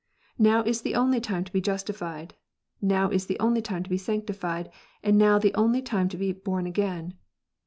Now is the only time to be justified, now the only time to be sanctified, and now the only time to be " born again."